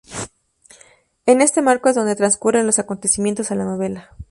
En este marco es donde transcurren los acontecimientos de la novela.